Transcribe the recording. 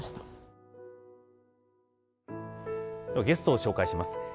ゲストを紹介します。